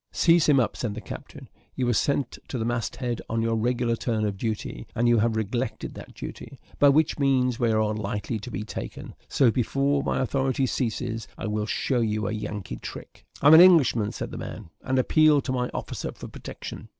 "Seize him up," said the captain; "you were sent to the mast head in your regular turn of duty; and you have neglected that duty, by which means we are likely to be taken: so, before my authority ceases, I will show you a Yankee trick." "I am an Englishman," said the man, "and appeal to my officer for protection."